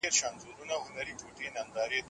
دا اجناس او خدمات رفاه بلل کیږي.